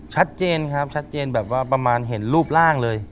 ชัดเจนครับชัดเจนแบบว่าประมาณเห็นรูปร่างเลย